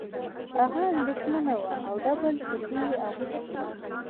هغه اندېښمنه وه او ډبل پټو یې اغوستی و